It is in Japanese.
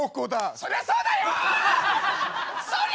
そりゃそうだよ！